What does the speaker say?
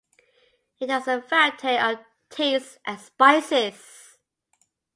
It has a variety of tastes and spices.